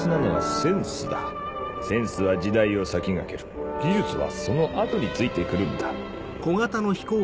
センスは時代を先駆ける技術はその後について来るんだ。